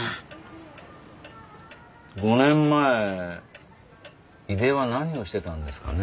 ５年前井出は何をしてたんですかね。